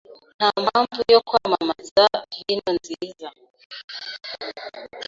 Nta mpamvu yo kwamamaza vino nziza.